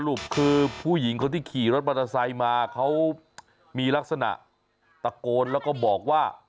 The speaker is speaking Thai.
คือผู้หญิงคนที่ขี่รถมอเตอร์ไซค์มาเขามีลักษณะตะโกนแล้วก็บอกว่า